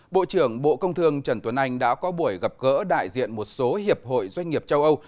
bộ trưởng bộ công thương trần tuấn anh đã có buổi gặp gỡ đại diện một số hiệp hội doanh nghiệp châu âu